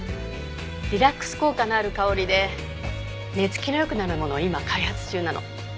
リラックス効果のある香りで寝つきの良くなるものを今開発中なの。